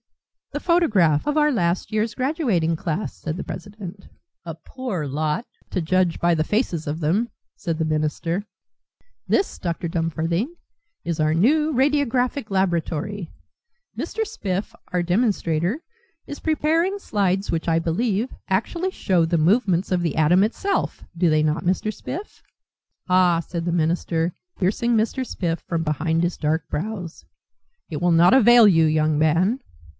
"The photograph of our last year's graduating class," said the president. "A poor lot, to judge by the faces of them," said the minister. "This, Dr. Dumfarthing, is our new radiographic laboratory; Mr. Spiff, our demonstrator, is preparing slides which, I believe, actually show the movements of the atom itself, do they not, Mr. Spiff?" "Ah," said the minister, piercing Mr. Spiff from beneath his dark brows, "it will not avail you, young man."